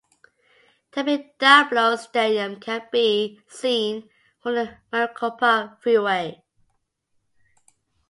Tempe Diablo Stadium can be seen from the Maricopa Freeway.